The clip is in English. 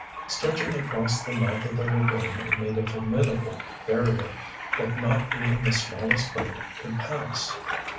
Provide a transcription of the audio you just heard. Stretching across the mouth of the lagoon it made a formidable barrier that not even the smallest boat could pass.